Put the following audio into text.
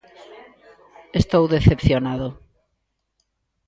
Estou decepcionado.